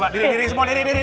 diri diri semua diri diri